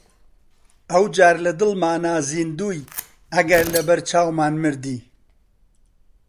ئەو جار لە دڵمانا زیندووی ئەگەر لەبەر چاومان مردی!